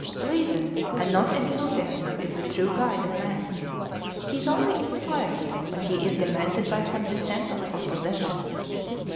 Reason, and not enthusiasm, is the true guide of man; he is only inspired when he is demented by some distemper or possession.